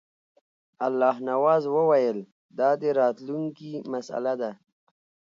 الله نواز وویل دا د راتلونکي مسله ده.